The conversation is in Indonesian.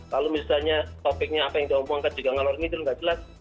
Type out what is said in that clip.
kalau misalnya topiknya apa yang diomongkan juga ngalor nidun nggak jelas